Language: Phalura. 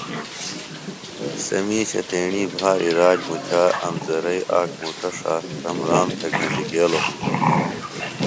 سےۡ میشہ تیݨی بھاری راج مُچا سوۡ امزرئیۡ آک مُٹہ ݜا رمرام تھےۡ گھنڈیۡ گیلوۡ ہِنوۡ